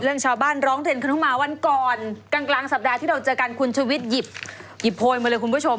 ชาวบ้านร้องเรียนขึ้นมาวันก่อนกลางสัปดาห์ที่เราเจอกันคุณชุวิตหยิบโพยมาเลยคุณผู้ชม